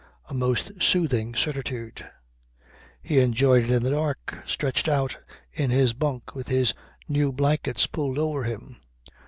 A most soothing certitude. He enjoyed it in the dark, stretched out in his bunk with his new blankets pulled over him.